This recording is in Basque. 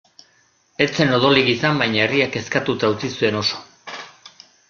Ez zen odolik izan, baina herria kezkatuta utzi zuen oso.